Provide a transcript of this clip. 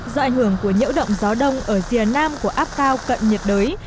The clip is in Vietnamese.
do ảnh hưởng của nhiễu động gió đông ở rìa nam của áp cao cận nhiệt đới